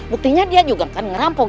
buktinya dia juga kan merampok